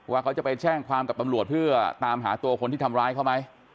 ว่าจะไปแจ้งความกับตำรวจเพื่อตามหาตัวคนที่ทำร้ายเขาไหม